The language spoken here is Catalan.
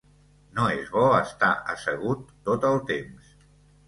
No és bo estar assegut tot el temps.